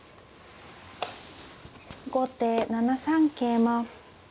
後手７三桂馬。